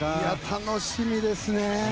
楽しみですね。